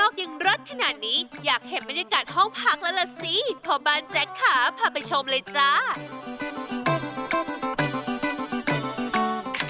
พ่อบ้านแจกค่ะพาไปชมเลยจ้า